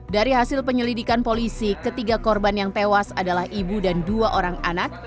dari hasil penyelidikan polisi ketiga korban yang tewas adalah ibu dan dua orang anak